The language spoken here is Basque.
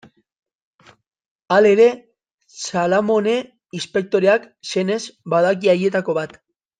Halere, Salamone inspektoreak, senez, badaki haietako bat.